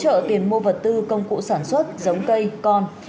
hỗ trợ tiền mua vật tư công cụ sản xuất giống cây con